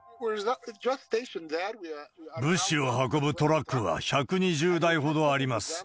物資を運ぶトラックは１２０台ほどあります。